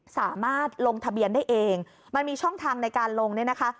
สามารถลงทะเบียนได้เองมันมีช่องทางในการลงเนี่ยนะคะ